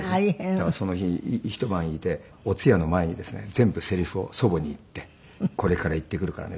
だからその日一晩いてお通夜の前にですね全部セリフを祖母に言って「これから行ってくるからね」